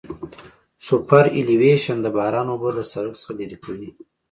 سوپرایلیویشن د باران اوبه له سرک څخه لرې کوي